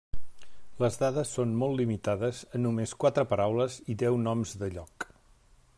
Les dades són molt limitades a només quatre paraules i deu noms de lloc.